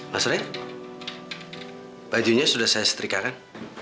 mas ray bajunya sudah saya setrika kan